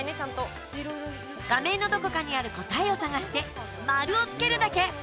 画面のどこかにある答えを探して丸をつけるだけ！